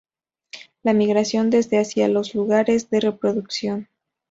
La migración desde o hacia los lugares de reproducción.